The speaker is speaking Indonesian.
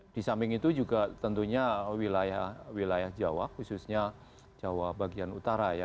di samping itu juga tentunya wilayah jawa khususnya jawa bagian utara ya